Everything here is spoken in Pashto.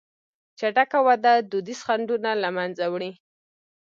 چټکه وده دودیز خنډونه له منځه وړي.